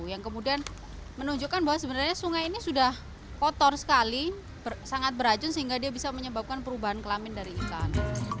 yang kemudian menunjukkan bahwa sebenarnya sungai ini sudah kotor sekali sangat beracun sehingga dia bisa menyebabkan perubahan kelamin dari ikan